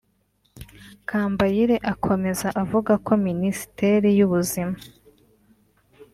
Kambayire akomeza avuga ko Minisiteri y’Ubuzima